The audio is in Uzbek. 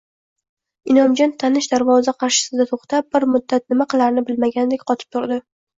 Inomjon tanish darvoza qarshisida to`xtab, bir muddat nima qilarini bilmagandek, qotib turdi